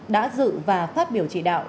đã dự và phát biểu chỉ đạo